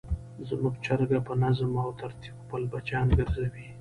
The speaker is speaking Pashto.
زموږ چرګه په نظم او ترتیب خپل بچیان ګرځوي.